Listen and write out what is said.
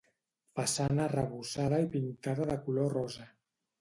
Façana arrebossada i pintada de color rosa.